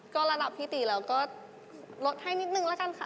ก็ระดับพี่ตีเราก็ลดให้นิดนึงแล้วกันค่ะ